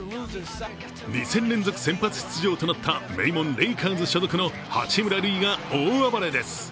２戦連続先発出場となった名門・レイカーズ所属の八村塁が大暴れです。